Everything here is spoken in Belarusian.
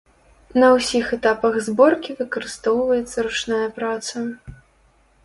На ўсіх этапах зборкі выкарыстоўваецца ручная праца.